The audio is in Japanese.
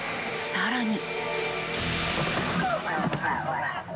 更に。